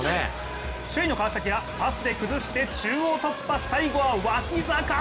首位の川崎はパスで崩して中央突破、最後、脇坂。